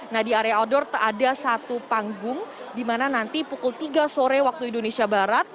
nah di area outdoor ada satu panggung di mana nanti pukul tiga sore waktu indonesia barat